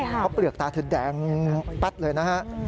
เพราะเปลือกตาเธอแดงแป๊ดเลยนะฮะ